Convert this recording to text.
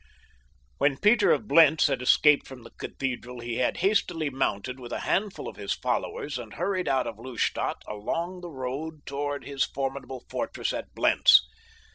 When Peter of Blentz had escaped from the cathedral he had hastily mounted with a handful of his followers and hurried out of Lustadt along the road toward his formidable fortress at Blentz.